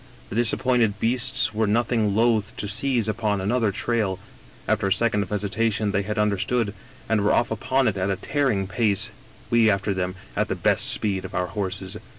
The disappointed beasts were nothing loath to seize upon another trail ; after a second of hesitation they had understood, and were off upon it at a tearing pace, we after them at the best speed of our horses.